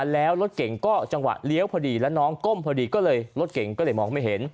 แล้วรถเก่งก็จังหวะเลี้ยวพอดีแล้วน้องก้มพอดีก็เลยรถเก่งก็เลยมองไม่เห็น